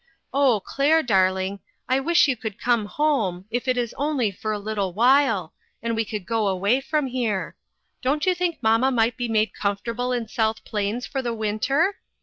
" Oh, Claire, darling, I wish you could come home, if it is only for a little while, and we could go away from here. Don't you think mamma might be made comfort able in South Plains for the winter?